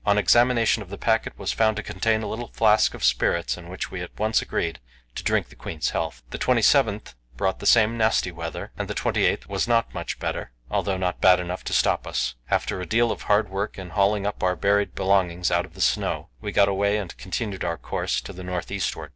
On examination the packet was found to contain a little flask of spirits, in which we at once agreed to drink the Queen's health. The 27th brought the same nasty weather, and the 28th was not much better, though not bad enough to stop us. After a deal of hard work in hauling our buried belongings out of the snow, we got away and continued our course to the north eastward.